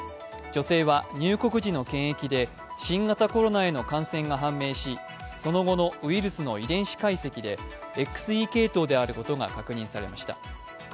女性は入国時の検疫で新型コロナへの感染が判明し、その後のウイルスの遺伝子解析でＸＥ系統であることが確認されました。